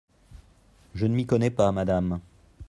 Je ne m’y connais pas, madame.